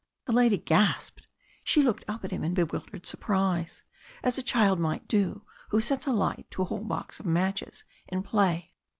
The lady gasped. She looked up at him in bewildered surprise, as a child might do who sets a light to a whole box of matches in play.